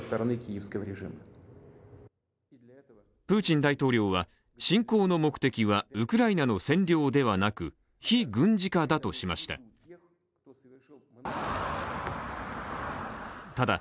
プーチン大統領は侵攻の目的はウクライナの占領ではなく非軍事化だとしました。